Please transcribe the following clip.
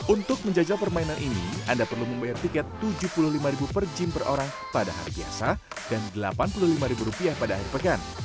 untuk menjajal permainan ini anda perlu membayar tiket rp tujuh puluh lima per gym per orang pada hari biasa dan rp delapan puluh lima pada akhir pekan